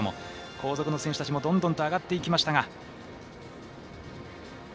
後続の選手たちもどんどん上がっていきましたが。